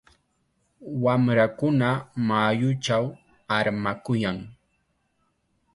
Wamrakuna mayuchaw armakuyan.